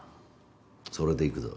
それでいくぞ。